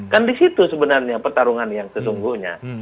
kan di situ sebenarnya pertarungan yang sesungguhnya